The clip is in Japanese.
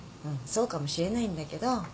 そうかもしれないんだけど。